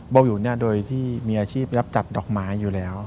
เบาวิวโดยที่มีอาชีพรับจัดดอกไม้อยู่แล้ว